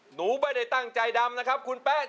หนูไม่ได้ตั้งใจดำนะครับคุณแป๊ะ